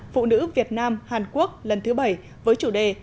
phụ nữ việt nam hàn quốc lần thứ bảy với chủ đề